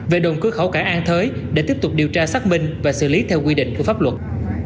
về đồng cư khẩu cả an thới để tiếp tục điều tra xác minh và xử lý theo quy định của pháp luật